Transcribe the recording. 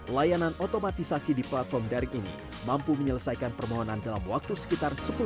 layanan otomatisasi di platform daring ini mampu menyelesaikan permohonan dalam waktu sekitar sepuluh menit